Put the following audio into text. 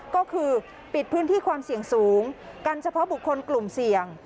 ก็คือปิดพื้นที่ความเสี่ยงสูงกันเฉพาะบุคคลกลุ่มเสี่ยง